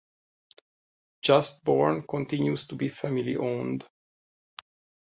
Just Born continues to be family owned.